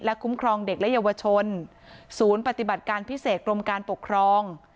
คุ้มครองเด็กและเยาวชนศูนย์ปฏิบัติการพิเศษกรมการปกครอง